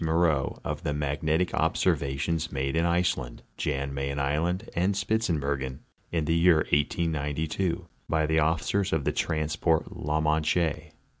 Moreaux of the magnetic observations made in Iceland, Jan Mayen island, and Spitzbergen, in the year 1892, by the officers of the transport la Manche.